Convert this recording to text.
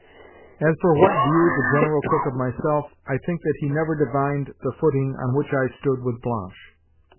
As for what view the General took of myself, I think that he never divined the footing on which I stood with Blanche.